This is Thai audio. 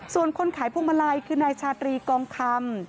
ส่วนคนขายพวงมาลัยคือนายชาตรีกองคำ